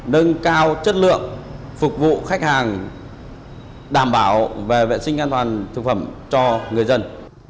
nâng cao chất lượng phục vụ khách hàng đảm bảo về vệ sinh an toàn thực phẩm cho người dân